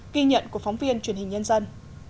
kỳ nhận của phóng viên truyền hình nhân dân